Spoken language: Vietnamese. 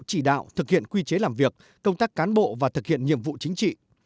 chỉ đạo thực hiện quy chế làm việc công tác cán bộ và thực hiện nhiệm vụ chính trị